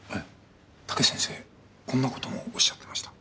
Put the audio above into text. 武先生こんなこともおっしゃってました。